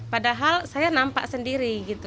padahal saya nampak sendiri gitu